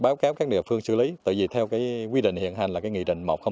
báo cáo các địa phương xử lý tại vì theo quy định hiện hành là nghị định một trăm linh bốn